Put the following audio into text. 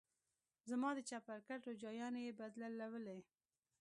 زما د چپرکټ روجايانې يې بدلولې.